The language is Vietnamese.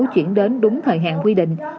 chuyển đến đúng thời hạn quy định